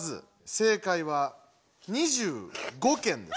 正解は２５件です。